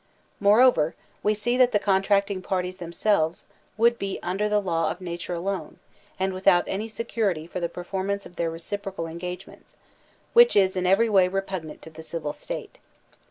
Moreover, we see that the contracting parties them selves would be under the law of nature alone, and without any security for the performance of their recip rocal engagements, which is in every way repugnant to the civil state.